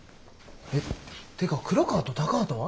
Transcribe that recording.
えってか黒川と高畑は？